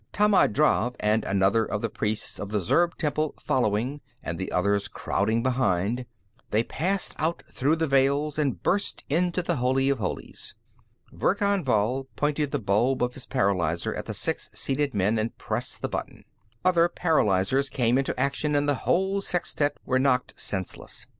Tammand Drav and another of the priests of the Zurb temple following and the others crowding behind, they passed out through the veils, and burst into the Holy of Holies. Verkan Vall pointed the bulb of his paralyzer at the six seated men and pressed the button; other paralyzers came into action, and the whole sextet were knocked senseless.